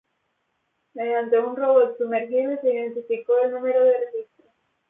Mediante un robot sumergible se identificó el número de registro.